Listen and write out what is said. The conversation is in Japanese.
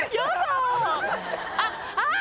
あっ！